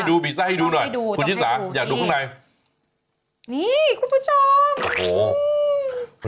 เนื้อตุ่นครับ